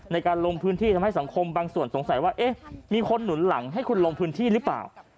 ในการลงพื้นที่ทำให้สังคมบางส่วนสงสัยว่าเอ๊ะมีคนหนุนหลังให้คุณลงพื้นที่หรือเปล่า